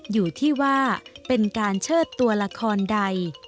อยู่ที่ว่าเป็นการเชิดตัวละครใด